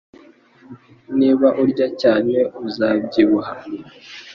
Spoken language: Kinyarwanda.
Niba urya cyane, uzabyibuha